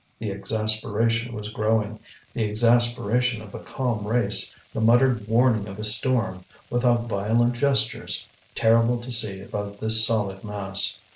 The exasperation was growing, the exasperation of a calm race, the muttered warning of a storm, without violent gestures, terrible to see above this solid mass.